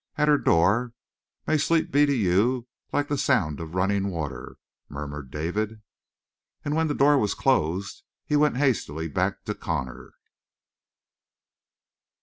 At her door: "May sleep be to you like the sound of running water," murmured David. And when the door was closed he went hastily back to Connor.